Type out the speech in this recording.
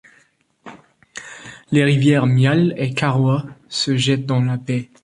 Les rivières Myall et Karuah se jettent dans la baie.